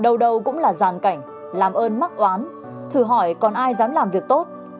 điều đó cũng là giàn cảnh làm ơn mắc oán thử hỏi còn ai dám làm việc tốt